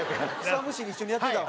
草むしり一緒にやってたの？